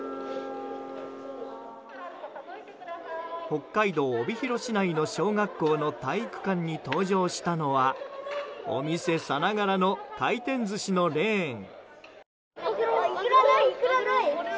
北海道帯広市内の小学校の体育館に登場したのはお店さながらの回転寿司のレーン。